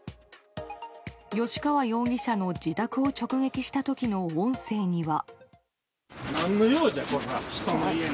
吉川容疑者の自宅を直撃した時の音声には。